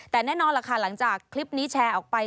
แต่แน่นอนล่ะค่ะหลังจากคลิปนี้แชร์ออกไป